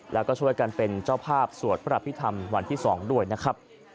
แล้วก็ช่วยกันเป็นเจ้าภาพสวดพระอภิษฐรรมวันที่๒ด้วยนะครับ